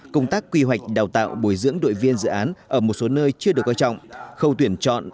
công tác quy hoạch đào tạo bồi dưỡng đội viên dự án ở một số nơi chưa được coi trọng khâu tuyển chọn